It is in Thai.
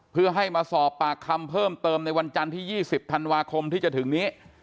เพื่อให้มาสอบปากคำเพิ่มเติมในวันจันทร์ที่๒๐ธันวาคมที่จะถึงนี้